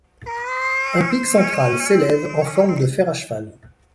Un pic central s'élève en forme de fer à cheval.